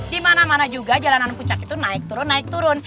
di mana mana juga jalanan puncak itu naik turun naik turun